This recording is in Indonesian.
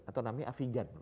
atau namanya avigan